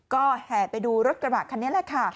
ก็แห่ไปดูรถกระบะคันนี้แหละค่ะ